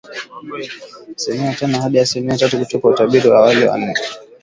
Asilimia tano hadi asilimia tatu, kutoka utabiri wa awali wa nne.